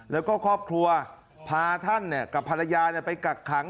แล้วก็ครอบครัวพาท่านกับภรรยาไปกักขัง